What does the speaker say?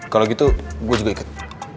kalau gitu gue juga ikut